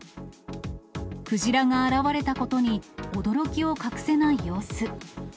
クジラが現れたことに驚きを隠せない様子。